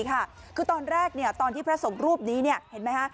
คือตอนแรกตอนที่พระสงฆ์รูปนี้เห็นไหมคะ